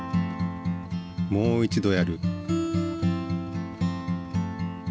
もう一度やる。